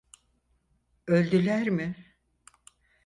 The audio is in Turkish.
Öldüler mi?